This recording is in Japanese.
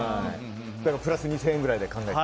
プラス２０００円くらいで考えて。